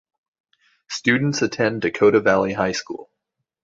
Students attend Dakota Valley High School.